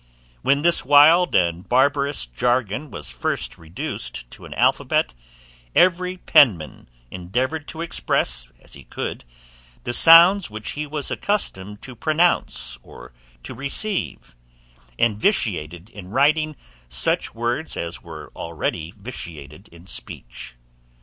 When this wild and barbarous jargon was first reduced to an alphabet, every penman endeavoured to express, as he could, the sounds which he was accustomed to pronounce or to receive, and vitiated in writing such words as were already vitiated in speech.